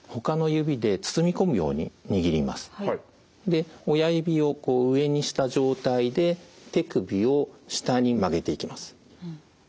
で親指をこう上にした状態で手首を下に曲げていきます。